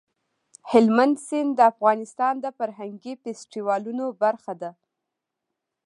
هلمند سیند د افغانستان د فرهنګي فستیوالونو برخه ده.